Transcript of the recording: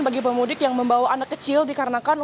bagi pemudik yang membawa anak kecil dikarenakan